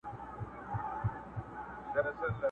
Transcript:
وينو به اور واخيست ګامونو ته به زور ورغی،